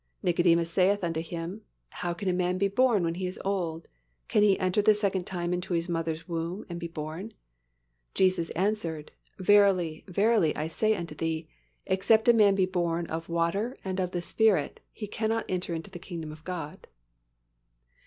Nicodemus saith unto Him, How can a man be born when he is old? Can he enter the second time into his mother's womb and be born? Jesus answered, Verily, verily, I say unto thee, Except a man be born of water and of the Spirit, he cannot enter into the kingdom of God."